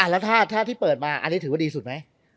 แล้วถ้าที่เปิดมาอันนี้ถือว่าดีสุดไหม